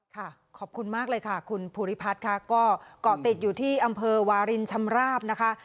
ขอบคุณมากเลยค่ะคุณภูริพัฒน์ค่ะก็เกาะติดอยู่ที่อำเภอวารินชำราบนะคะ